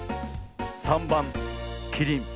３ばん「キリン」。